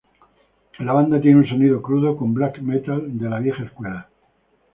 La banda tiene un sonido crudo con black metal de la vieja escuela.